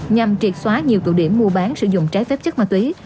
nhằm triệt xóa nhiều tụ điểm mua bán sử dụng trái phép chất ma túy